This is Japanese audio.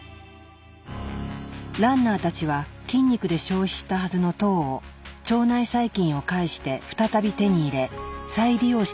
ランナーたちは筋肉で消費したはずの糖を腸内細菌を介して再び手に入れ再利用していたのである。